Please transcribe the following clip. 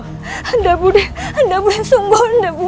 anda budi anda budi sungguh